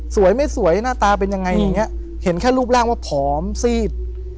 สวยไม่สวยหน้าตาเป็นยังไงอย่างเงี้ยเห็นแค่รูปร่างว่าผอมซีด